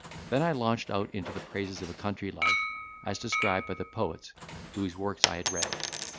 Then I launched out into the praises of a country life, as described by the poets whose works I had read.